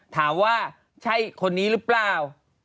ถามว่าใช่คนนี้หรือเปล่า